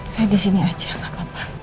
saya disini aja gapapa